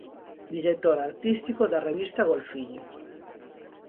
Director artístico da revista "Golfiño".